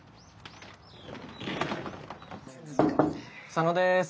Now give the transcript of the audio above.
・佐野です。